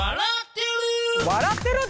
「笑ってる」